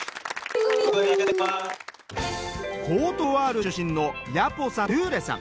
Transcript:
コートジボワール出身のヤポさんとトゥーレさん。